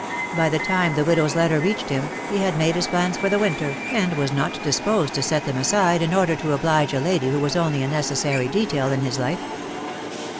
By the time the widow's letter reached him he had made his plans for the winter, and was not disposed to set them aside in order to oblige a lady who was only a necessary detail in his life.